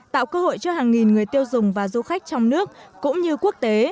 tạo cơ hội cho hàng nghìn người tiêu dùng và du khách trong nước cũng như quốc tế